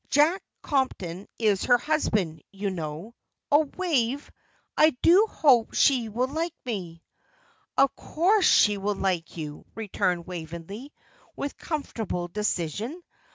Jack Compton is her husband, you know.' Oh Wave, I do hope she will like me." "Of course she will like you," returned Waveney, with comfortable decision.